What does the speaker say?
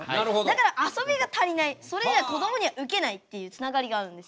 だらかあそびが足りないそれじゃこどもにはウケないっていうつながりがあるんですよ。